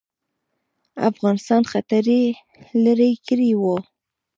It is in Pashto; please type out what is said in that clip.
افغانستان خطر یې لیري کړی وو.